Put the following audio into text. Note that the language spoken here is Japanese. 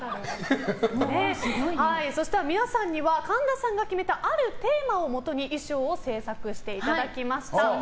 皆さんには神田さんが決めたあるテーマで衣装を制作していただきました。